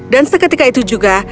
dan seketika itu juga